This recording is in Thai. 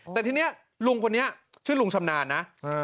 แต่ทีนี้ลุงคนเนี่ยชื่อนามรุงชำนานนะ